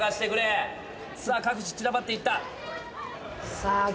さあ各自散らばっていった。